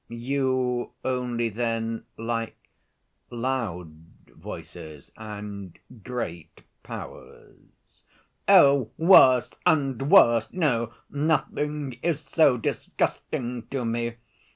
"You only, then, like loud voices, and great powers?" "Oh, worse and worse! no, nothing is so disgusting to me.